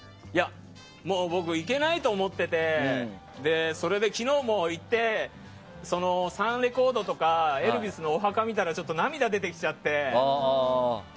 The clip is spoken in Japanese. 僕、行けないと思っててそれで昨日も行ってサンレコードとかエルヴィスのお墓見たらちょっと涙出てきちゃって。